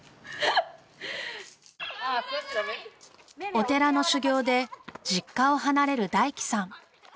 お寺の修行で実家を離れる大樹さん。